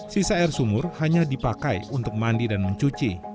sisa air sumur hanya dipakai untuk mandi dan mencuci